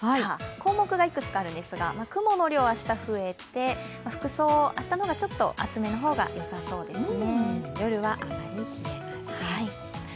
項目がいくつかあるんですが、雲の量が増えて服装、明日の方がちょっと厚めのほうがよさそうですね。